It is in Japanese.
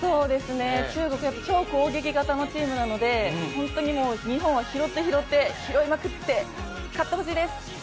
中国、超攻撃型のチームなので、日本は拾って拾って拾いまくって勝ってほしいです。